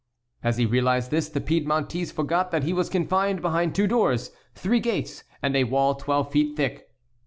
As he realized this the Piedmontese forgot that he was confined behind two doors, three gates, and a wall twelve feet thick.